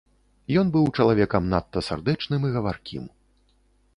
Ён быў чалавекам надта сардэчным і гаваркім.